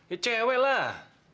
ya cewek lah